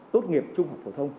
tốt nghiệp trung học phổ thông